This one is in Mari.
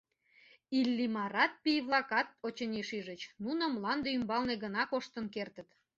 Иллимарат, пий-влакат, очыни, шижыч: нуно мланде ӱмбалне гына коштын кертыт.